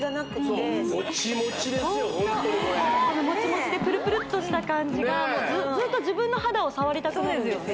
ホントにこれもちもちでぷるぷるっとした感じがもうずっと自分の肌を触りたくなるんですよね